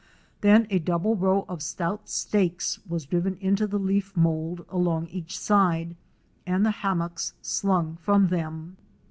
Then a double row of stout stakes was driven into the leaf mould along each side and the hammocks slung from them.